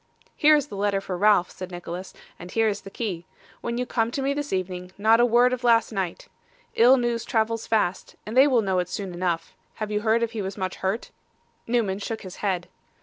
'Here is the letter for Ralph,' said Nicholas, 'and here the key. When you come to me this evening, not a word of last night. Ill news travels fast, and they will know it soon enough. Have you heard if he was much hurt?' Newman shook his head.